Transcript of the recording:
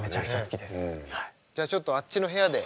じゃあちょっとあっちの部屋で。